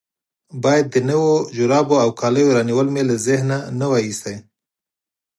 باید د نویو جرابو او کالو رانیول مې له ذهنه نه وای ایستلي.